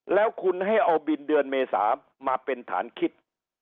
แล้วคุณให้เอาบินเดือนเมษามาเป็นฐานคิด